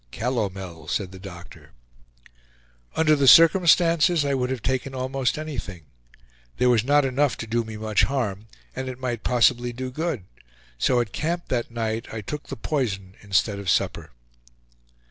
"Calomel," said the doctor. Under the circumstances I would have taken almost anything. There was not enough to do me much harm, and it might possibly do good; so at camp that night I took the poison instead of supper.